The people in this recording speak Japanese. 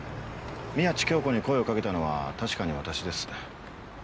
宮地杏子に声をかけたのは確かに私です。